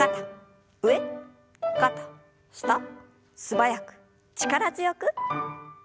素早く力強く。